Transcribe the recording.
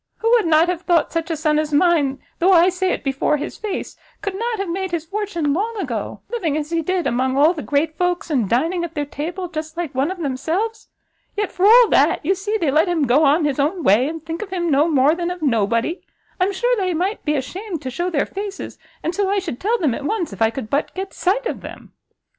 Who would not have thought such a son as mine, though I say it before his face, could not have made his fortune long ago, living as he did, among all the great folks, and dining at their table just like one of themselves? yet, for all that, you see they let him go on his own way, and think of him no more than of nobody! I'm sure they might be ashamed to shew their faces, and so I should tell them at once, if I could but get sight of them."